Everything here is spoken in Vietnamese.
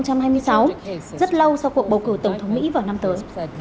rất lâu sau cuộc bầu cử tổng thống mỹ vào năm tới